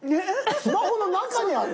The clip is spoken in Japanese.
スマホの中にある？